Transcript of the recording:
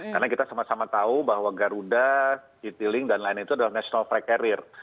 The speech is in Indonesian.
karena kita sama sama tahu bahwa garuda citilink dan lain lain itu adalah national flag carrier